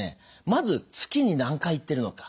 まず月に何回行ってるのか。